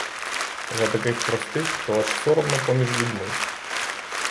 За таких простих, то аж соромно поміж людьми.